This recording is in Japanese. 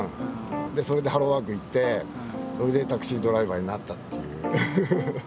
それでハローワーク行ってそれでタクシードライバーになったっていう。